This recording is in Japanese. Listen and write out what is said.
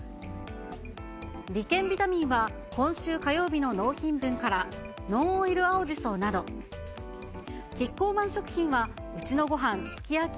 理研ビタミンは、今週火曜日の納品分からノンオイル青じそなど、キッコーマン食品は、うちのごはんすきやき